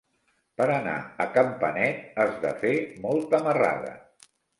Per anar a Campanet has de fer molta marrada.